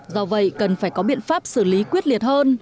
do vậy cần phải có biện pháp xử lý quyết liệt hơn